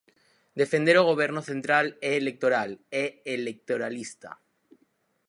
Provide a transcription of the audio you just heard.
Defender o Goberno central é electoral, é electoralista.